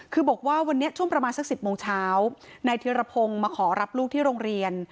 คือบอกว่าวันนี้ช่วงประมาณสัก๑๐โมงเช้านายธิรพงศ์มาขอรับลูกที่โรงเรียน